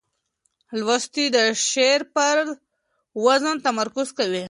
لوستونکي د شعر پر وزن تمرکز کوي.